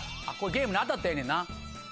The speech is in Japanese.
ゲーム当たったらええねんな。